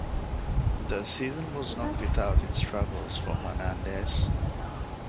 The season was not without its struggles for Hernandez.